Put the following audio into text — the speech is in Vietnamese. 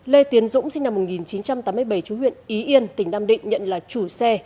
lê tiến dũng sinh năm một nghìn chín trăm tám mươi bảy chú huyện ý yên tỉnh nam định nhận là chủ xe